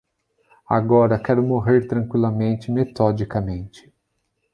Agora, quero morrer tranqüilamente, metodicamente